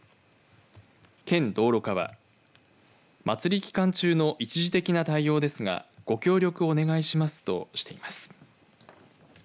県道路課は祭り期間中の一時的な対応ですがご協力をお願いしますとしています。